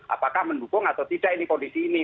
apakah mendukung atau tidak ini kondisi ini